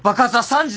３時！？